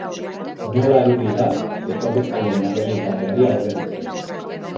Nola ari dira etorri zaien errealitateari aurre egiten?